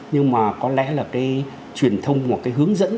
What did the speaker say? nhưng mà có lẽ là cái truyền thông một cái hướng dẫn